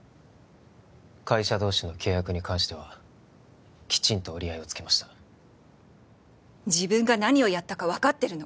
会社同士の契約に関してはきちんと折り合いをつけました自分が何をやったか分かってるの？